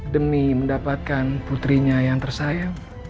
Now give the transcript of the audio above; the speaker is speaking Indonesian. demi mendapatkan putrinya yang tersayang